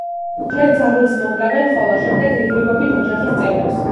ჯერ ძაღლს მოკლავენ, ხოლო შემდეგ რიგ-რიგობით ოჯახის წევრებს.